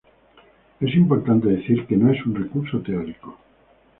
Es importante decir, que no es un recurso teórico.